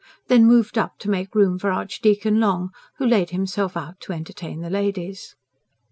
Then moved up to make room for Archdeacon Long, who laid himself out to entertain the ladies.